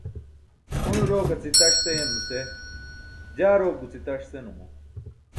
Une rok aci taṣ seyam nuse jaa rok guci taṣ senumo.